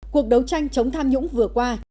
cuộc đấu tranh chống tham nhũng vừa qua